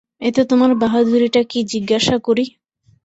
এতে তোমার বাহাদুরিটা কী জিজ্ঞাসা করি?